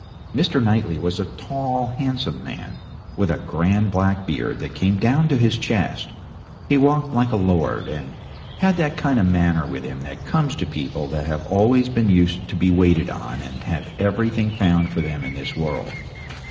Mr. Knightley was a tall, handsome man, with a grand black beard that came down to his chest. He walked like a lord, and had that kind of manner with him that comes to people that have always been used to be waited on and have everything found for them in this world.